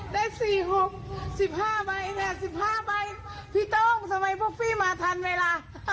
ได้สี่หกสิบห้าใบนะฮะสิบห้าใบพี่โต้งสมัยพวกพี่มาทันไหมล่ะ